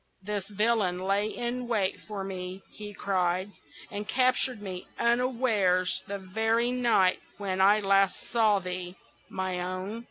"This villain lay in wait for me," he cried, "and captured me unawares the very night when last I saw thee, my own.